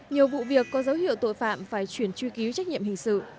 nhiều vụ việc có dấu hiệu tội phạm phải chuyển truy cứu trách nhiệm hình sự